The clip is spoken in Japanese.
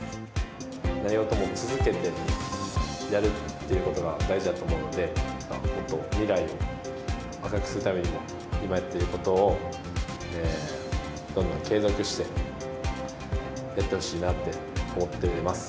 何事も続けてやるっていうことが大事だと思うので、本当、未来を明るくするためにも、今やっていることを、どんどん継続してやってほしいなって思っています。